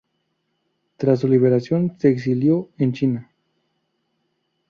Tras su liberación, se exilió en China.